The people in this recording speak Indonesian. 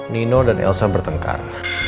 nino dan elsa bertengkar